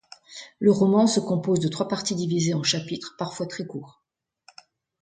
Le roman se compose de trois parties divisées en chapitres parfois très courts.